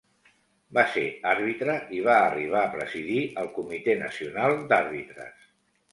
Va ser àrbitre, i va arribar a presidir el Comitè Nacional d'Àrbitres.